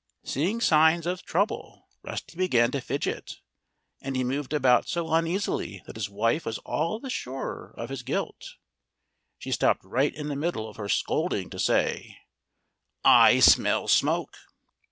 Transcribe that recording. Seeing signs of trouble, Rusty began to fidget. And he moved about so uneasily that his wife was all the surer of his guilt. She stopped right in the middle of her scolding to say, "I smell smoke!"